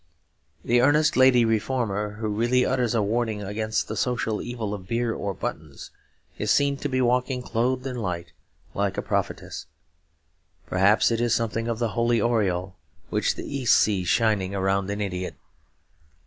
The earnest lady reformer who really utters a warning against the social evil of beer or buttons is seen to be walking clothed in light, like a prophetess. Perhaps it is something of the holy aureole which the East sees shining around an idiot.